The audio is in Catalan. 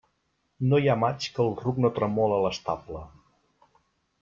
No hi ha maig que el ruc no tremole a l'estable.